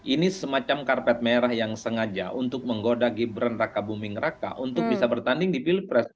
ini semacam karpet merah yang sengaja untuk menggoda gibran raka buming raka untuk bisa bertanding di pilpres